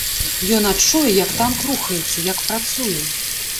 Ён адчуе, як танк рухаецца, як працуе.